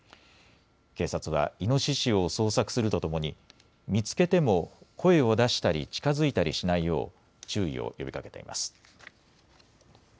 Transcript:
警察はイノシシを捜索するとともに見つけても声を出したり近づいたりしないよう注意を呼びかけています。